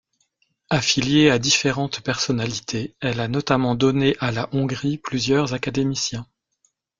Affiliée à différentes personnalités, elle a notamment donnée à la Hongrie plusieurs académiciens.